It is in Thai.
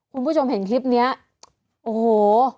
คุณผู้ชมเห็นคลิปเนี้ยโอ้โห